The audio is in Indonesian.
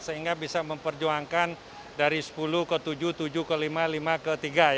sehingga bisa memperjuangkan dari sepuluh ke tujuh tujuh ke lima lima ke tiga